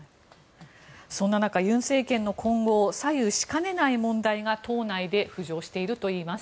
そんな中、尹政権の今後を左右しかねない問題が党内で浮上しているといいます。